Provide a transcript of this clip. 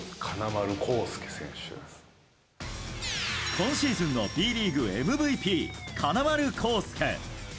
今シーズンのＢリーグＭＶＰ金丸晃輔。